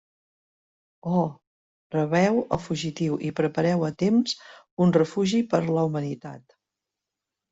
Oh!, rebeu el fugitiu i prepareu a temps un refugi per a la humanitat.